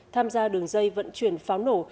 tham gia đường dây vận chuyển pháo nổ